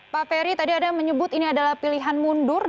pak ferry tadi ada menyebut ini adalah pilihan mundur